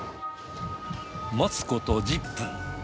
待つこと１０分。